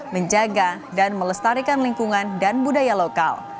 menjaga dan melestarikan lingkungan dan budaya lokal